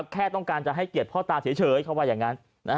แค่ต้องการจะให้เกียรติพ่อตาเฉยเขาว่าอย่างนั้น